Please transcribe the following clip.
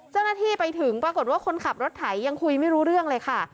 เจ้าหน้าที่ไปถึงปรากฏว่าคนขับรถไถยังคุยไม่รู้เรื่องเลยค่ะ